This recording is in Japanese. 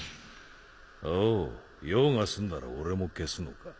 ほう用が済んだら俺も消すのか？